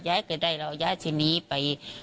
ย้ายก็ได้เราย้ายสิมีไป